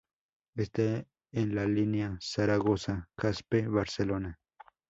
Está en la línea Zaragoza-Caspe-Barcelona.